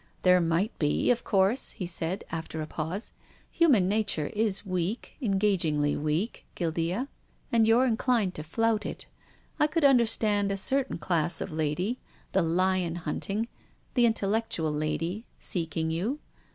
" There might be, of course," he said, after a pause. " Human nature is weak, engagingly weak, Guildea. And you're inclined to flout it. I could understand a certain class of lady — the lion hunting, the intellectual lady, seeking you.